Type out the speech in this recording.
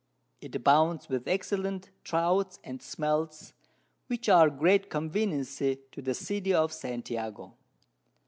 It abounds with excellent Trouts and Smelts, which are a great Conveniency to the City of St. Jago.